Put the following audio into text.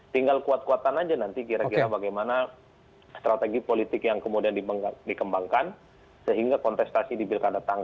tinggal kuat kuatan aja nanti kira kira bagaimana strategi politik yang kemudian dikembangkan sehingga kontestasi di pilkada